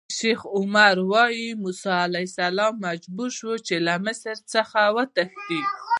شیخ عمر ویل: موسی علیه السلام مجبور شو چې له مصر څخه وتښتي.